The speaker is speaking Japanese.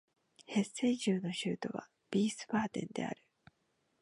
ヘッセン州の州都はヴィースバーデンである